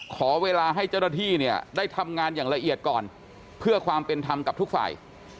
ขอเวลาให้เจ้าหน้าที่เนี่ยได้ทำงานอย่างละเอียดก่อนเพื่อความเป็นธรรมกับทุกฝ่าย